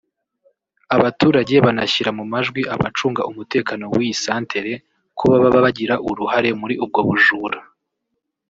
Abaturage banashyira mu majwi abacunga umutekano w’iyi santere ko baba bagira uruhare muri ubwo bujuru